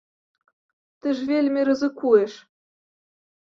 Ты ж вельмі рызыкуеш.